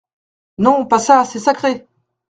Non, pas ça, c’est sacré !